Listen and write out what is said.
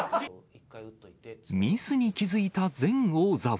ミスに気付いた前王座は。